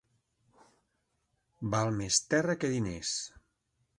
Val més terra que diners.